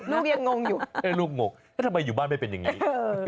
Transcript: ลูกยังงงอยู่ลูกงงแล้วทำไมอยู่บ้านไม่เป็นยังไง